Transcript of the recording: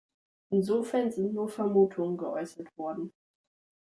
Insofern sind nur Vermutungen geäußert worden.